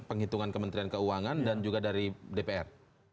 penghitungan kementerian keuangan dan juga dari dpr